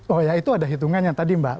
oh ya itu ada hitungannya tadi mbak